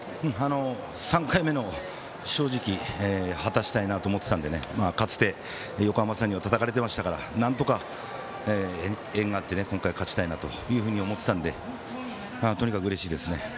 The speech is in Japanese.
３回目の正直果たしたいなと思っていたので勝てて、横浜さんにはたたかれてましたからなんとか縁があって今回勝ちたいなと思ってたのでとにかくうれしいですね。